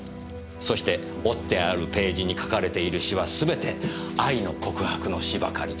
そして折ってあるページに書かれている詩はすべて愛の告白の詩ばかり。